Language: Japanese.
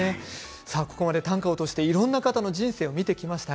ここまで短歌を通していろんな方の人生を見てきました。